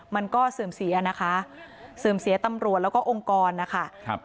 เสื่อมเสียนะคะเสื่อมเสียตำรวจแล้วก็องค์กรนะคะครับ